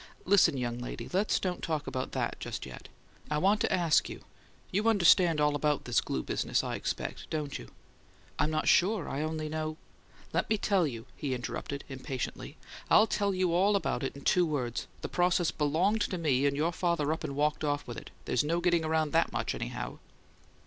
"Listen, young lady; let's don't talk about that just yet. I want to ask you: you understand all about this glue business, I expect, don't you?" "I'm not sure. I only know " "Let me tell you," he interrupted, impatiently. "I'll tell you all about it in two words. The process belonged to me, and your father up and walked off with it; there's no getting around THAT much, anyhow."